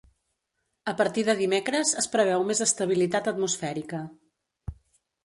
A partir de dimecres es preveu més estabilitat atmosfèrica.